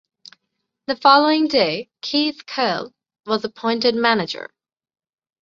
The following day Keith Curle was appointed manager.